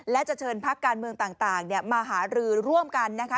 และจะเชิญพักการเมืองต่างมาหารือร่วมกันนะคะ